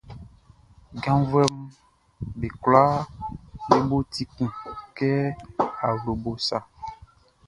Janvuɛʼm be kwlaa be bo ti kun kɛ awlobo sa.